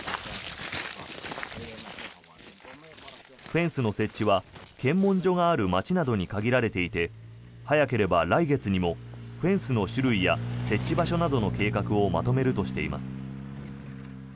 フェンスの設置は検問所がある街などに限られていて早ければ来月にもフェンスの種類や設置場所などの計画をまとめるとしています。